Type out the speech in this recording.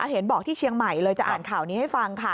เห็นบอกที่เชียงใหม่เลยจะอ่านข่าวนี้ให้ฟังค่ะ